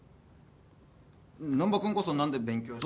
難破君こそ何で勉強し